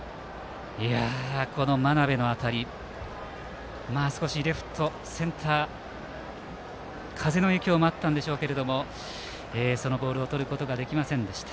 真鍋の当たり少しレフト、センター風の影響もあったんでしょうけどそのボールをとることができませんでした。